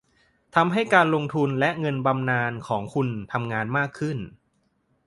ทำให้การลงทุนและเงินบำนาญของคุณทำงานมากขึ้น